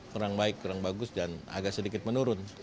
kurang baik kurang bagus dan agak sedikit menurun